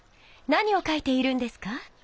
何を書いているんですか？